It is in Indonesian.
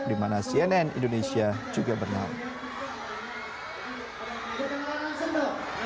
di mana cnn indonesia juga bernama